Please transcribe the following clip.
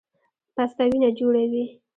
پسته وینه جوړوي